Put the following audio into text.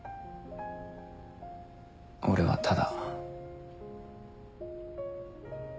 俺はただ。